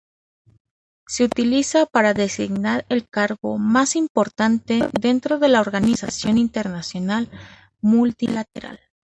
Se utiliza para designar el cargo más importante dentro de una organización internacional multilateral.